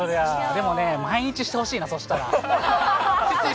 でもね、毎日してほしいな、そしたら。